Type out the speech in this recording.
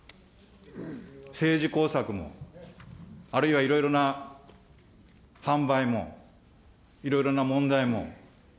政治工作も、あるいはいろいろな販売も、いろいろな問題も。